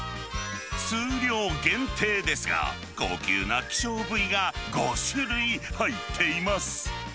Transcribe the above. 数量限定ですが、高級な希少部位が５種類入っています。